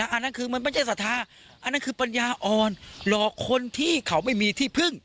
อันนั้นคือมันไม่ใช่ศรัทธาอันนั้นคือปัญญาอ่อนหลอกคนที่เขาไม่มีที่พึ่ง